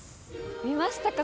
見ましたか？